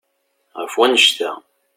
Ɣef wannect-a.